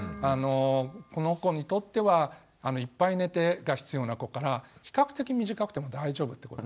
この子にとってはいっぱい寝てが必要な子から比較的短くても大丈夫って子。